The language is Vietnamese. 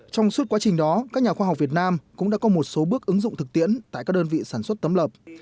trong suốt quá trình đó các nhà khoa học việt nam cũng đã có một số bước ứng dụng thực tiễn tại các đơn vị sản xuất tấm lợp